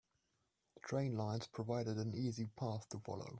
The train lines provided an easy path to follow.